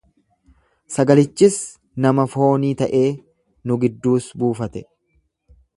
Sagalichis nama foonii ta'ee, nu gidduus buufate.